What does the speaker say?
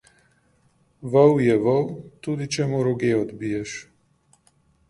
Vol je vol, tudi če mu roge odbiješ.